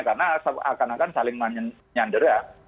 karena akan akan saling menyandera